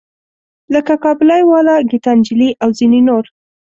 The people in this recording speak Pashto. لکه کابلی والا، ګیتا نجلي او ځینې نور.